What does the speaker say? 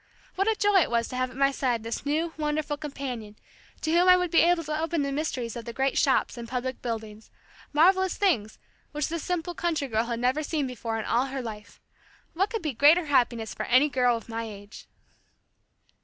What a joy it was to have at my side this new, wonderful companion to whom I would be able to open the mysteries of the great shops and public buildings marvelous things which this simple country girl had never seen before in all her life. What could be greater happiness for any girl of my age!